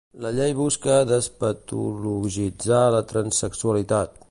La llei busca despatologitzar la transsexualitat.